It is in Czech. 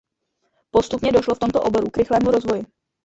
Postupně došlo v tomto oboru k rychlému rozvoji.